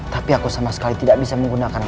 tapi aku sama sekali tidak bisa menggunakan